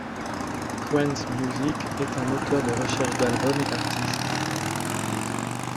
Qwant Music est un moteur de recherche d'albums et d'artistes.